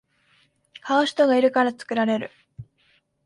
買う人がいるから作られる